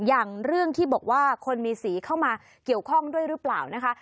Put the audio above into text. อย่างเรื่องที่บอกว่าคนมีสีเข้ามาเกี่ยวข้องด้วยหรือเปล่านะคะ